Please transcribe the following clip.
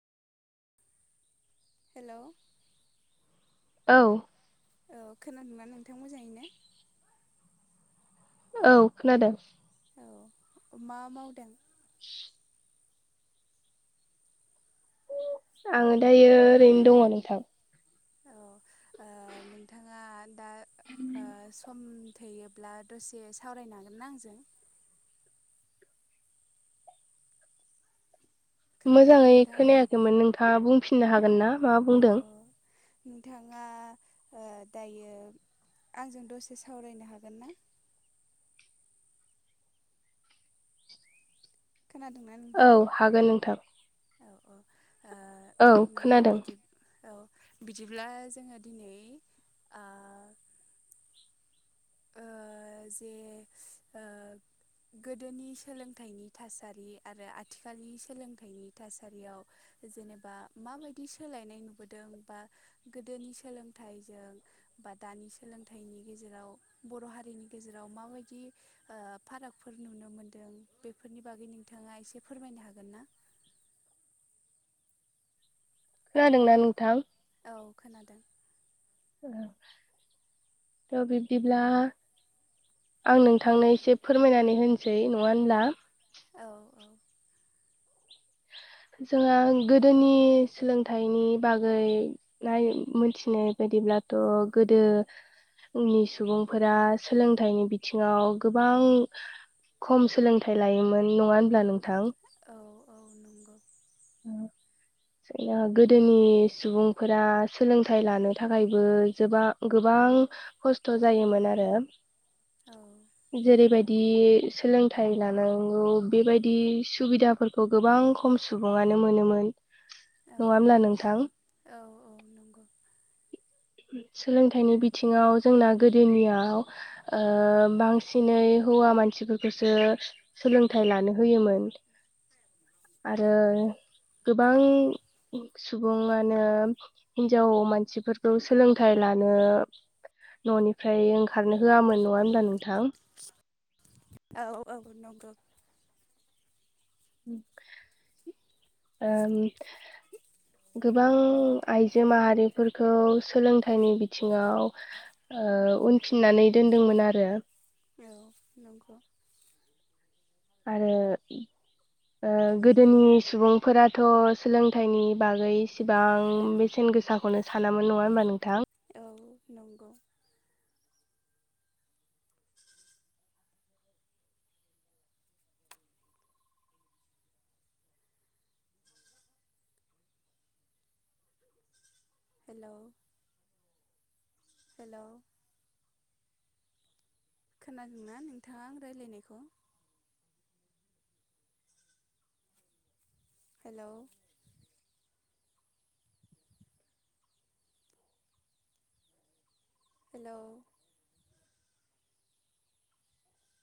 Hello. औ। औ खोनादोंना नोंथां मोजां औ खोनादों। औ मा मावदों। [unintelligible] आङो दायो ओरैनो दङ नोंथां। औ ओ नोंथाङा दा ओ सम थायोब्ला दसे सावरायनो हागोनना आंजों। खोनादोंना मोजाङै नोंथां खोनायाखैमोन नोंथाङा बुंफिननो हागोन ना मा बुंदों? औ नोंथाङा ओ दायो आंजों दसे सावरायनो हागोन ना। खोनादोंना औ नोंथां हागोन नोंथां औ औ। औ ओ खोनादों। बिदि औ बिदिब्ला जोङो दिनै ओ ओ जे ओ गोदोनि सोलोंथाइनि थासारि आरो आथिखालनि सोलोंथाइनि थासारियाव जेनेबा माबायदि सोलायनाय नुबोदों बा गोदोनि सोलोंथाइजों बा दानि सोलोंथाइनि गेजेराव बर' हारिनि गेजेराव माबायदि ओ फारागफोर नुनो मोनदों बेफोरनि बागै नों नोंथाङा इसे फोरमायनो हागोन ना। खोनादोंना नोंथां। औ खोनादों। औ थ' बिबदिब्ला आं नोंथांनो एसे फोरमायनानै होनोसै नङा होनब्ला? औ औ। [inaudible] जोंहा गोदोनि सोलोंथाइनि बागै नाय- मोनथिनाय बायदि अब्लाथ' गोदो नि सुबुंफोरा सोलोंथाइनि बिथिङाव गोबां खम सोलोंथाइ लायोमोन नङा होनब्ला नोंथां? औ औ नंगौ औ जोंनिया गोदोनि सुबुंफोरा सोलोंथाइ लानो थाखायबो जोबां गोबां -बां खस्थ' जायोमोन आरो औ जेरै बाय -दि सोलोंथाइ लानांगौ बेबायदि सुबिदाफोरखौ गोबां खम सुबुङानो मोनोमोन। औ नङा होनब्ला नोंथां? औ नंगौ सोलोंथाइनि बिथिङाव जोंना गोदोनियाव ओ बांसिनै हौवा मानसिफोरखौसो सोलोंथाइ लानो होयोमोन। [inaudible] आरो गोबां सुबुङानो हिनजाव मानसिफोर सोलोंथाइ लानो न'निफ्राय ओंखारनो होआमोन। नङा होमबा नोंथां? औ औ नगौ। [unintelligible] ओ गोबां आइजो माहारिफोरखौ सोलोंथाइनि बिथिङाव ओ उनफिननानै दोनदोंमोन आरो। औ नंगौ। [inaudible] आरो ओ गोदोनि सुबुंफोराथ' सोलोंथाइनि बागै इसेबां बेसेन गोसाखौनो सानामोन नङा होमबा नोंथां। औ नंगौ। हेलौ हेल' खोनादोंना नोंथाङा आं रायलायनायखौ? Hello hello